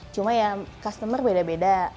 cuma ya customer beda beda